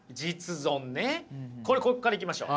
これここからいきましょう。